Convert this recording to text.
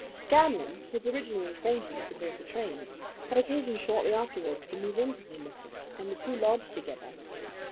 Scanlan, his original acquaintance aboard the train, had occasion shortly afterwards to move into Vermissa, and the two lodged together.